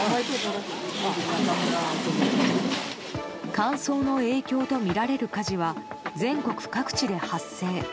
乾燥の影響とみられる火事は全国各地で発生。